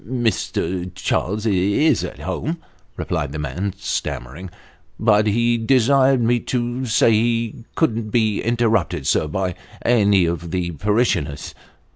" Mr. Charles is at home," replied the man, stammering ;" but he desired me to say he couldn't bo interrupted, sir, by any of the parishioners."